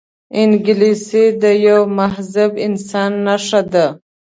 انګلیسي د یوه مهذب انسان نښه ده